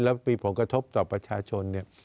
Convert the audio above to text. แล้วมีผลกระทบต่อประชาชนเนี่ย